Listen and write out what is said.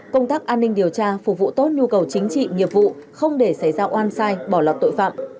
công tác an ninh điều tra phục vụ tốt nhu cầu chính trị nghiệp vụ không để xảy ra oan sai bỏ lọt tội phạm